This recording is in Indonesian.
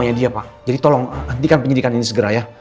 hanya dia pak jadi tolong hentikan penyidikan ini segera ya